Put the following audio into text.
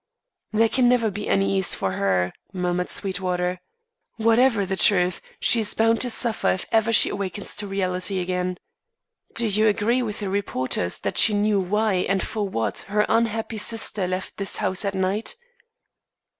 "There can never be any ease for her," murmured Sweetwater. "Whatever the truth, she's bound to suffer if ever she awakens to reality again. Do you agree with the reporters that she knew why and for what her unhappy sister left this house that night?"